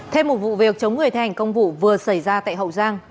thêm một vụ việc chống người thi hành công vụ vừa xảy ra tại hậu giang